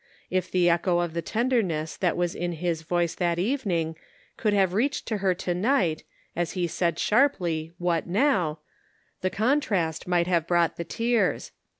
If the echo of the tenderness that was in his voice that evening could have reached to her to night as he said sharply, " What now, " the contrast might have brought the tears.